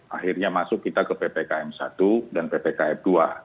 akhirnya masuk kita ke ppkm satu dan ppkm dua